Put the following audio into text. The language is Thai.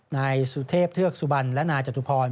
นายสุเทพเทือกสุบันและนายจตุพร